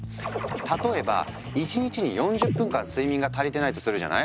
例えば１日に４０分間睡眠が足りてないとするじゃない？